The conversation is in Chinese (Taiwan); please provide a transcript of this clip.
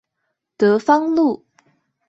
德芳路